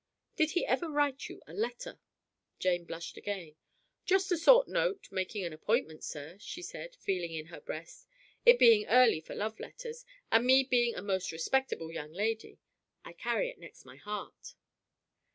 "Did he ever write you a letter?" Jane blushed again. "Just a short note making an appointment, sir," she said, feeling in her breast, "it being early for love letters, and me being a most respectable young lady. I carry it next my heart."